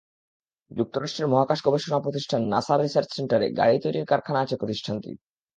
যুক্তরাষ্ট্রের মহাকাশ গবেষণা প্রতিষ্ঠান নাসার রিসার্চ সেন্টারে গাড়ি তৈরির কারখানা আছে প্রতিষ্ঠানটির।